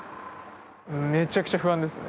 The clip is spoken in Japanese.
めちゃくちゃ不安ですよね。